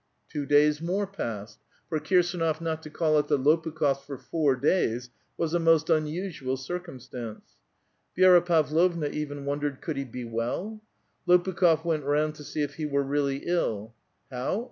Two days more passed ; for Kirsdnof not to call at the Lopukh6fs* for four days was a most unusual circumstance. Vi^ra Pavlovna even wondered "could he be well?" Lo pukh6f went round to see if he were really ill. "How?